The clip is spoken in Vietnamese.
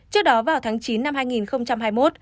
trước đó vào tháng chín năm hai nghìn hai mươi một